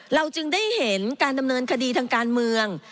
เราจึงได้เห็นการดำเนินคดีทางการเมือง